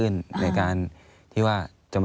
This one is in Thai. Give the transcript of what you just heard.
อันดับ๖๓๕จัดใช้วิจิตร